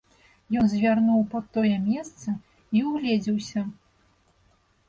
Ён звярнуў пад тое месца і ўгледзеўся.